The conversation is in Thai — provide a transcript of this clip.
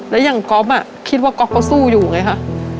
แล้วยังก๊อปอะคิดว่าก๊อปก็สู้อยู่ไงค่ะ